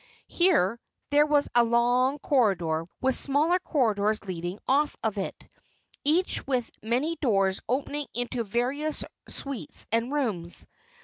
Here there was a long corridor, with smaller corridors leading off of it, each with many doors opening into various suites and rooms.